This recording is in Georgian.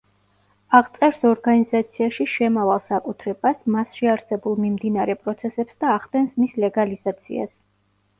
აღწერს ორგანიზაციაში შემავალ საკუთრებას, მასში არსებულ მიმდინარე პროცესებს და ახდენს მის ლეგალიზაციას.